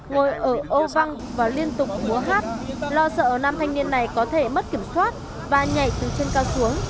ngồi ở ô văng và liên tục múa hát lo sợ nam thanh niên này có thể mất kiểm soát và nhảy từ trên cao xuống